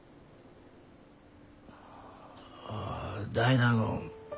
あ大納言。